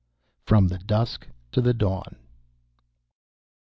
_ From the Dusk to the Dawn.